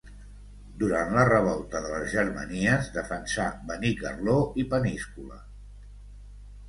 Durant la revolta de les Germanies, defensà Benicarló i Peníscola.